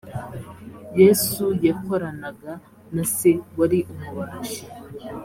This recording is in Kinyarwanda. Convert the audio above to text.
yesu yakoranaga na se wari umubaji